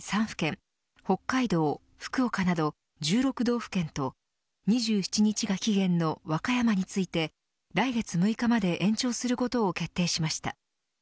府県北海道、福岡など１６道府県と２７日が期限の和歌山について来月６日まで延長することを決定しました。